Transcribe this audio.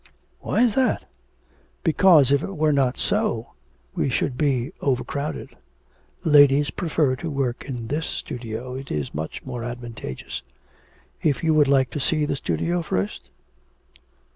'Why is that?' 'Because, if it were not so, we should be overcrowded. Ladies prefer to work in this studio, it is much more advantageous. If you would like to see the studio first?'